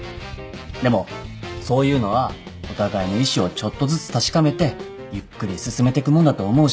でもそういうのはお互いの意思をちょっとずつ確かめてゆっくり進めてくもんだと思うし。